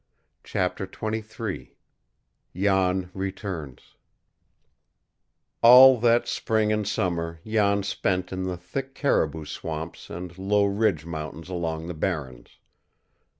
CHAPTER XXIII JAN RETURNS All that spring and summer Jan spent in the thick caribou swamps and low ridge mountains along the Barrens.